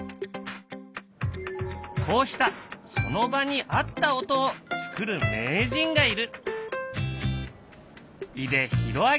こうしたその場にあった音を作る名人がいる。